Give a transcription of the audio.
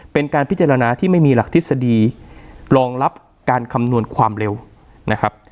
เป็นการพิจารณาที่ไม่มีหลักทฤษฎีรองรับการคำนวณความเร็วนะครับ